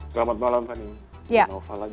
selamat malam pak